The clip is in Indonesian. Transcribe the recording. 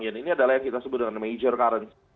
ini adalah yang kita sebut dengan major currency